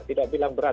tidak bilang berat